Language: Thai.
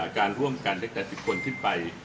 การร่วมกันเล็กคนขึ้นไป